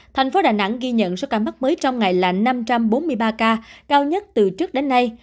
thành phố đà nẵng ghi nhận số ca mắc mới trong ngày là năm trăm bốn mươi ba ca cao nhất từ trước đến nay